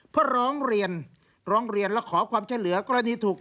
เพื่อร้องเรียนร้องเรียนและขอความช่วยเหลือกรณีถูก